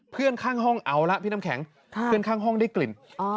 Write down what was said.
ข้างห้องเอาละพี่น้ำแข็งเพื่อนข้างห้องได้กลิ่น